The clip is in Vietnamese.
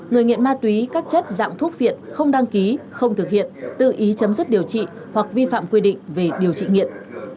người nghiện ma túy các chất dạng thuốc viện không đăng ký không thực hiện tự ý chấm dứt điều trị hoặc vi phạm quy định về điều trị nghiện